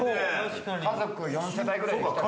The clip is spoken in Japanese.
家族４世帯ぐらいで来たら。